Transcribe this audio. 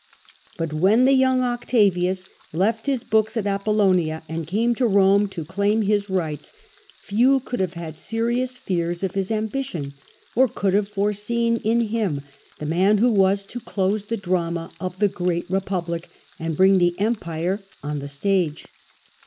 But when the young Octavius left his books at Apollonia, and came to Rome to claim his rights, few could have had serious fears of his ambition, or could have foreseen in him the man who was to close the drama of the great Republic and bring the Empire on the stage.